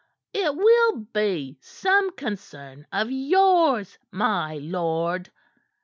'' "It will be some concern of yours, my lord."